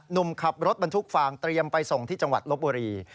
หนุ่มขับรถบรรทุกฟางเตรียมไปส่งที่จังหวัดลบบุรี